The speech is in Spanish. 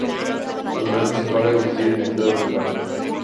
Los boletos se pagan y adquieren en la entrada del parque.